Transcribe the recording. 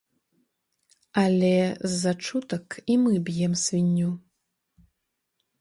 Але з-за чутак і мы б'ем свінню.